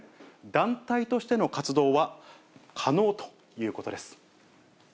団体としての活動は可能ということです。